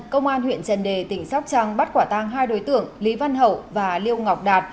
công an huyện trần đề tỉnh sóc trăng bắt quả tang hai đối tượng lý văn hậu và liêu ngọc đạt